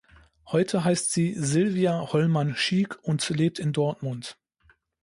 Heute heißt sie Silvia Hollmann-Schiek und lebt in Dortmund.